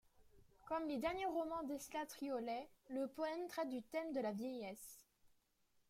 Comme les derniers romans d'Elsa Triolet, le poème traite du thème de la vieillesse.